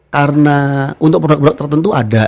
karena untuk produk produk tertentu ada